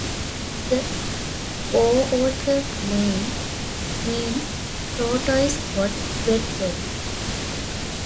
The O'odham name means "Tortoise Got Wedged".